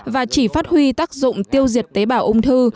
và chỉ phát huy tác dụng tiêu diệt tế bào ung thư